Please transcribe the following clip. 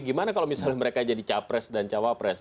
gimana kalau misalnya mereka jadi capres dan cawapres